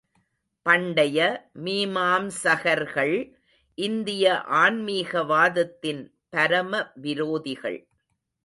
பண்டைய மீமாம்சகர்கள் இந்திய ஆன்மீகவாதத்தின் பரம விரோதிகள்.